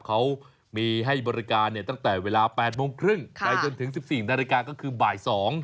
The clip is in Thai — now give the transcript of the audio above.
เขามีให้บริการตั้งแต่เวลา๘โมงครึ่งไปจนถึง๑๔นาฬิกาก็คือบ่าย๒